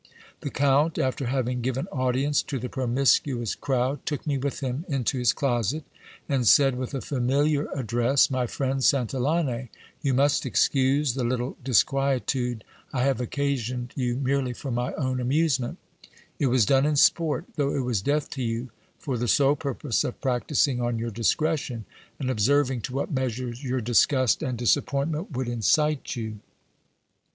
The count, after having given audience to the promiscuous crowd, took me with him into his closet, and said with a familiar address : My friend Santillane, you must excuse the little disquietude I have occasioned you merely for my own amusement ; it was done in sport, though it was death to you, for the sole purpose of practising on your discretion, and observing to what measures your disgust and disap pointment would incite you.